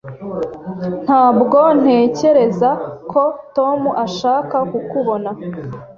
Ntabwo ntekereza ko Tom ashaka kukubona.